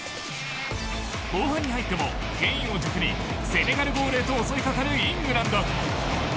後半に入ってもケインを軸にセネガルゴールへと襲いかかるイングランド。